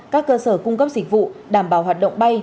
các cơ sở cung cấp dịch vụ đảm bảo hoạt động bay